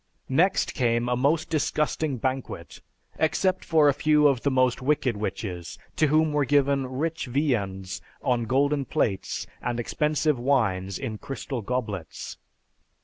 Next came a most disgusting banquet, except for a few of the most wicked witches, to whom were given rich viands on golden plates and expensive wines in crystal goblets.